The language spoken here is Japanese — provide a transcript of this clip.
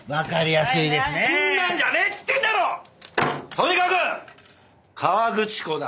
とにかく河口湖だ。